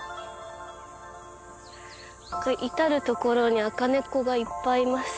至る所に赤猫がいっぱいいます。